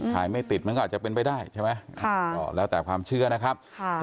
ไม่ติดมันก็อาจจะเป็นไปได้ใช่ไหมก็แล้วแต่ความเชื่อนะครับ